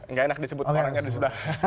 nggak enak disebut orangnya disitu